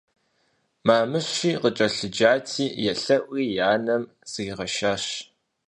Мамыши къыкӀэлъыджати, елъэӀури и анэм зригъэшащ.